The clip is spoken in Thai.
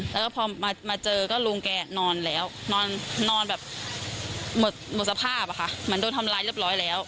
แล้วก็พอมาเจอก็ลุงแกนอนแล้วนอนแบบหมดสภาพอะค่ะเหมือนโดนทำร้ายเรียบร้อยแล้ว